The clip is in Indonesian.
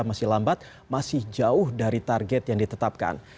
masih lambat masih jauh dari target yang ditetapkan